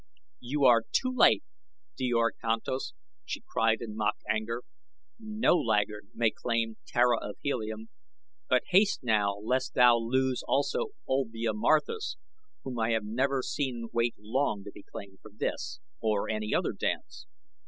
"You are too late, Djor Kantos," she cried in mock anger. "No laggard may claim Tara of Helium; but haste now lest thou lose also Olvia Marthis, whom I have never seen wait long to be claimed for this or any other dance."